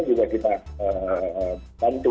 juga kita bantu ya